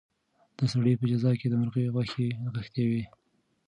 د سړي په جزا کې د مرغۍ خوښي نغښتې وه.